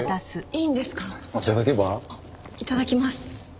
いただきます。